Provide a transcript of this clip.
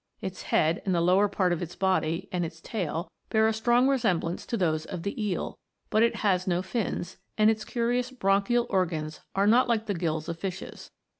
Its head, and the lower part of its body, and its tail, bear a strong resemblance to those of the eel ; but it has no fins, and its curious bronchial organs are not like the gills of fishes.